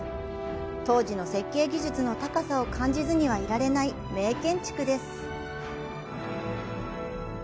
当時の設計技術の高さを感じずにはいられない名建築です。